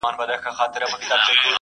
که منځګړي د اصلاح اراده ولري څه پيښيږي؟